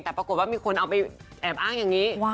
แต่ปรากฏว่ามีคนเอาไปแอบอ้างอย่างนี้